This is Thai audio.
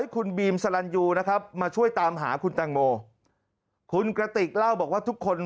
คุณบีมสลันยูนะครับมาช่วยตามหาคุณแตงโมคุณกระติกเล่าบอกว่าทุกคน